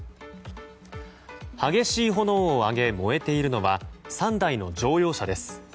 激しい炎を上げ、燃えているのは３台の乗用車です。